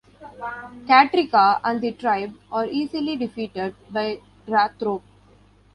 Katryca and the tribe are easily defeated by Drathro.